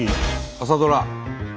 朝ドラ。